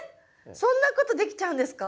そんなことできちゃうんですか？